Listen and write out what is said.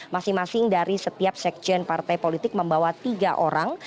masing masing dari setiap sekjen partai politik membawa tiga orang